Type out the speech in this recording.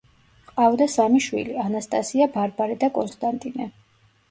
ჰყავდა სამი შვილი: ანასტასია, ბარბარე და კონსტანტინე.